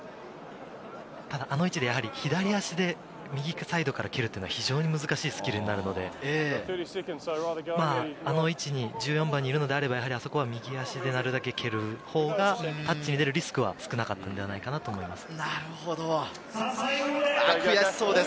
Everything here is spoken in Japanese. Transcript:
あの位置でやはり左足で右サイドから蹴るっていうのは非常に難しいスキルになるので、あの位置に、１４番にいるのであれば、あそこは右足でなるだけ蹴るほうがタッチに出るリスクは少なかったんじゃないかなと思います。